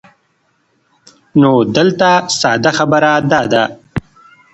نو دلته ساده خبره دا ده